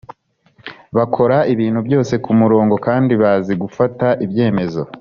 bakora ibintu byose ku murongo kandi bazi gufata ibyemezo